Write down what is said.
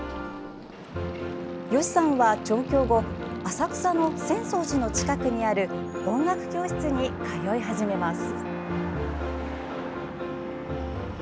吉さんは、上京後浅草の浅草寺の近くにある音楽教室に通い始めます。